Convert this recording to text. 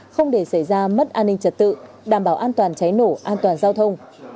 không để xảy ra mất an ninh trật tự đảm bảo an toàn cháy nổ an toàn giao thông